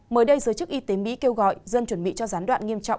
mới đây giới chức y tế mỹ kêu gọi dân chuẩn bị cho gián đoạn nghiêm trọng